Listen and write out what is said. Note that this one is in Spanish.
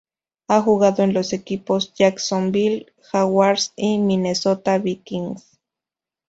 Ha jugado en los equipos Jacksonville Jaguars y Minnesota Vikings.